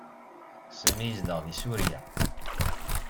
Sami yezdeɣ deg Surya.